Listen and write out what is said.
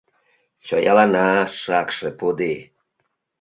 Чоялана, шакше пудий!»